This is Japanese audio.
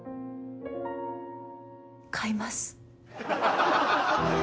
買います。